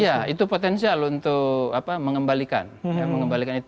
iya itu potensial untuk mengembalikan itu